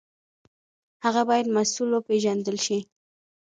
هغه باید مسوول وپېژندل شي.